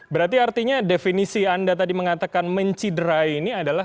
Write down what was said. berarti artinya definisi anda tadi mengatakan menciderai ini adalah